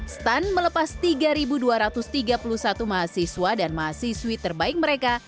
stun melepas tiga dua ratus tiga puluh satu mahasiswa dan mahasiswi terbaik mereka